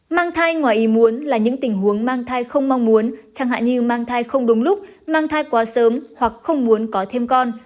mang thai ngoài ý muốn là những tình huống mang thai không mong muốn chẳng hạn như mang thai không đúng lúc mang thai quá sớm hoặc không muốn có thêm con